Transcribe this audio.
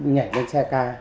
nhảy lên xe ca